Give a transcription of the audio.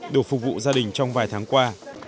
đều phục vụ gia đình trong vài tháng qua